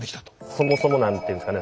そもそも何て言うんですかね